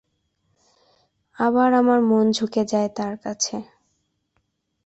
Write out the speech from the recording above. আবার আমার মন ঝুকে যায় তার কাছে।